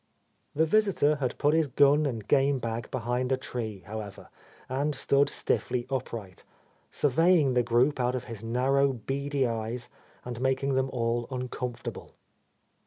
The visitor had put his gun and gamebag be hind a tree, however, and stood stiffly upright, surveying the group out of his narrow beady eyes and making them all uncomfortable.